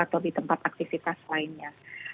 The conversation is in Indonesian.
atau di tempat aktivitas lainnya